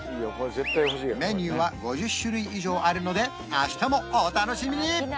メニューは５０種類以上あるので明日もお楽しみに！